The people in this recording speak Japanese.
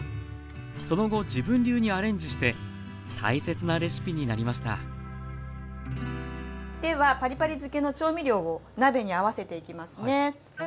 その後自分流にアレンジして大切なレシピになりましたではパリパリ漬けの調味料を鍋に合わせていきますね。